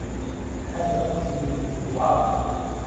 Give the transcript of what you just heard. Ḥader aqjun-nni yewεer.